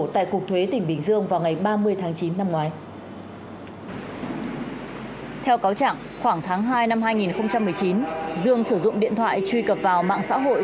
theo cáo trạng khoảng tháng hai năm hai nghìn một mươi chín dương sử dụng điện thoại truy cập vào mạng xã hội